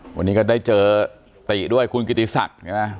วันนี้ก็ได้เจอติด้วยคุณกิติศัตริย์